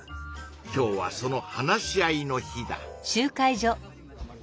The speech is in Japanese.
今日はその話し合いの日だ。